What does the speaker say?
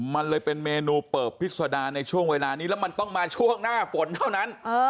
มันเลยเป็นเมนูเปิบพิษดาในช่วงเวลานี้แล้วมันต้องมาช่วงหน้าฝนเท่านั้น